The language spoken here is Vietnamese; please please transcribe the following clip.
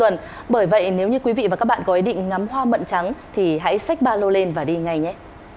nếu như quý vị và các bạn có ý định ngắm hoa mận trắng thì hãy xách ba lô lên và đi ngay nhé